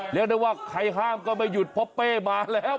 เรียกได้ว่ากันได้ว่าใครข้ามก็ไม่หยุดเพราะเป่ะมาแล้ว